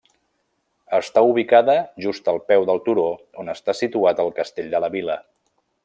Està ubicada just al peu del turó on està situat el castell de la vila.